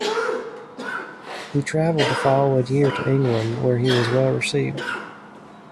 He traveled the following year to England, where he was well received.